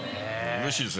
うれしいですね。